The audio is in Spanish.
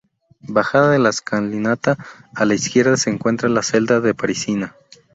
Bajada la escalinata, a la izquierda se encuentra la celda de Parisina.